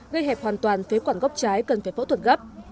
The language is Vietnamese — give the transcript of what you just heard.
gây hẹp hoàn toàn phế quản gốc trái cần phải phẫu thuật gấp